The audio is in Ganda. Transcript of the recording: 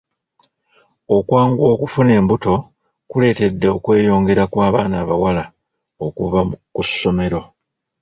Okwanguwa okufuna embuto kuleetedde okweyongera kw'abaana abawala okuva ku ssomero.